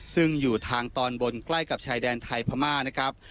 ซึ่งอยู่ทางตอนบนใกล้กับชายแดนไทยพม่านะครับ